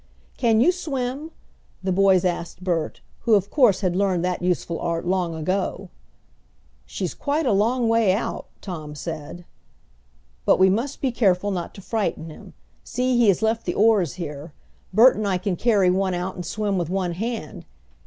"Can you swim?" the boys asked Bert, who of course had learned that useful art long ago. "She's quite a long way out," Tom said, "But we must be careful not to frighten him. See, he has left the oars here. Bert and I can carry one out and swim with one hand.